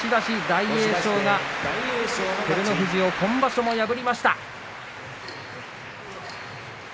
大栄翔が照ノ富士を今場所も破りました。